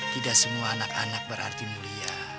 tidak semua anak anak berarti mulia